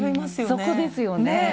そこですよねぇ。